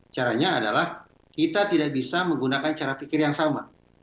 caranya adalah kita tidak bisa menggunakan cara pikir yang sama